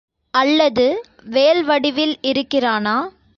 அல்லது வேல் வடிவில் இருக்கிறானா?